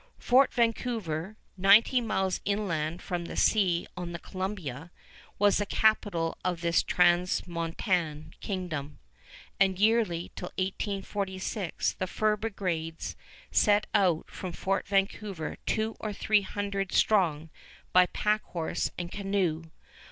Fort Vancouver, ninety miles inland from the sea on the Columbia, was the capital of this transmontane kingdom, and yearly till 1846 the fur brigades set out from Fort Vancouver two or three hundred strong by pack horse and canoe.